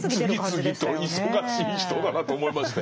次々と忙しい人だなと思いましたよええ。